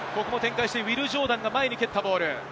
ウィル・ジョーダンが前に蹴ったボール。